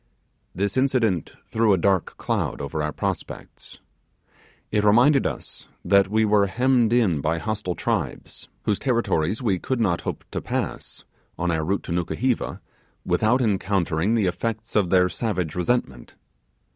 This incident threw a dark cloud over our prospects. It reminded us that we were hemmed in by hostile tribes, whose territories we could not hope to pass, on our route to Nukuheva, without encountering the effects of their savage resentment.